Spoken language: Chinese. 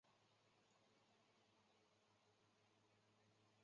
白脉韭是葱科葱属的变种。